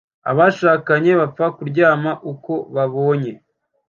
Abashakanye bapfa ku ryama ukobabonye